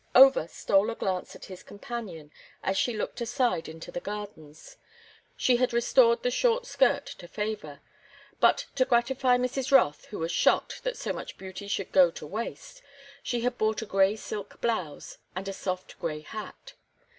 Over stole a glance at his companion as she looked aside into the gardens. She had restored the short skirt to favor, but to gratify Mrs. Rothe, who was shocked that so much beauty should go to waste, she had bought a gray silk blouse and a soft gray hat.